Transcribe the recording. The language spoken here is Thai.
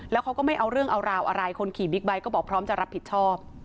แล้วเขาก็ไม่เอาเรื่องเอาราวอะไรคนขี่บิ๊กไบท์ก็บอกพร้อมจะรับผิดชอบ